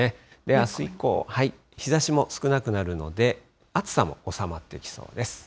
あす以降、日ざしも少なくなるので暑さも収まっていきそうです。